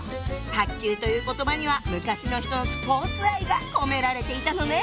「卓球」という言葉には昔の人のスポーツ愛が込められていたのね。